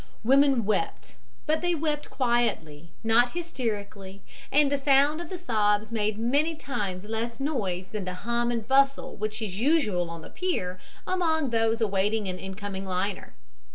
Women wept, but they wept quietly, not hysterically, and the sound of the sobs made many times less noise than the hum and bustle which is usual on the pier among those awaiting an incoming liner.